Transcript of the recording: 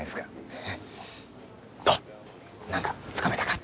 何かつかめたか？